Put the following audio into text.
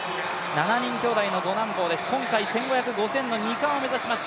７人兄弟の５男坊です、今回１５００、５０００の２冠を目指します。